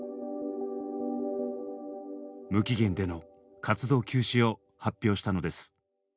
無期限での活動休止を発表したのです。